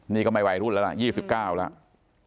นี่ก็ไม่วัยรุ่นแล้วล่ะ๒๙แล้ว